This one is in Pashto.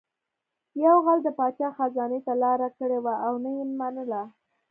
یو غل د پاچا خزانې ته لاره کړې وه او نه یې منله